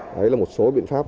đấy là một số biện pháp